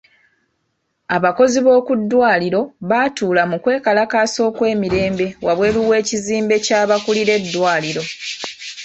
Abakozi b'okuddwaliro baatuula mu kwekalakaasa okw'emirembe wabweru w'ekizimbe ky'abakuulira eddwaliro.